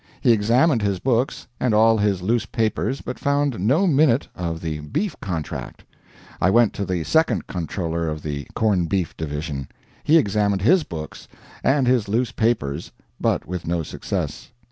He examined his books and all his loose papers, but found no minute of the beef contract. I went to the Second Comptroller of the Corn Beef Division. He examined his books and his loose papers, but with no success.